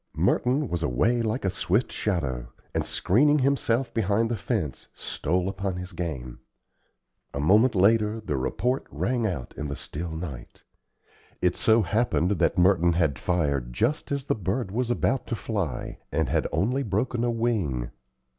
Merton was away like a swift shadow, and, screening himself behind the fence, stole upon his game. A moment later the report rang out in the still night. It so happened that Merton had fired just as the bird was about to fly, and had only broken a wing.